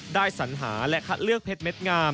สัญหาและคัดเลือกเพชรเม็ดงาม